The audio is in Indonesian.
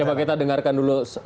coba kita dengarkan dulu